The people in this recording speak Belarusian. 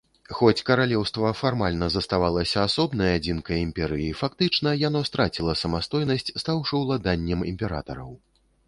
Хоць каралеўства фармальна заставалася асобнай адзінкай імперыі, фактычна яно страціла самастойнасць, стаўшы ўладаннем імператараў.